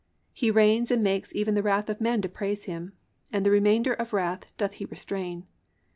He reigns and makes even the wrath of men to praise Him, and the remainder of wrath doth He restrain.